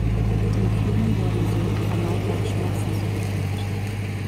Den Kühen werden so vermeidbare Schmerzen zugefügt.